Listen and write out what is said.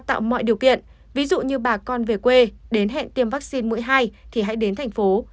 tạo mọi điều kiện ví dụ như bà con về quê đến hẹn tiêm vaccine mũi hai thì hãy đến thành phố